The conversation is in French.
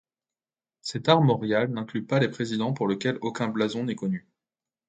Cet armorial n'inclut pas les présidents pour lesquels aucun blason n'est connu.